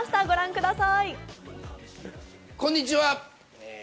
ご覧ください。